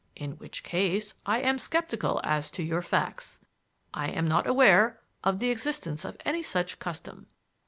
In which case I am skeptical as to your facts. I am not aware of the existence of any such custom.